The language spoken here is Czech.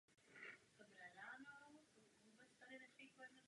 Tento druh tabulek je obvyklá implementace.